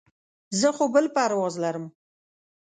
زه خو بل پرواز لرم.